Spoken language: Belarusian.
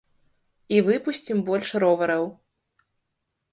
І выпусцім больш ровараў!